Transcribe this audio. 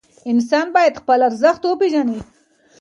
انسان باید خپل ارزښت وپېژني.